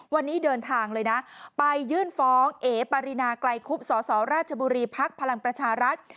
วันนี้เดินทางเลยนะไปยื่นฟ้องเอ๋ปารินาไกลคุบสสราชบุรีภักดิ์พลังประชารัฐ